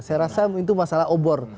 saya rasa itu masalah obor